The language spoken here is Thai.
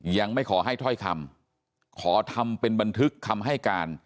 ยังไม่ขอให้ถ้อยคำขอทำเป็นบันทึกคำให้การ